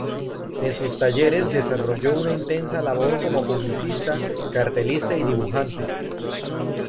En sus talleres desarrolló una intensa labor como publicista, cartelista y dibujante.